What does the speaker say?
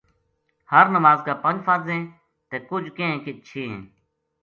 ہر نماز کا پنج فرض ہیں۔ تے کجھ کہیں کہ چھ ہیں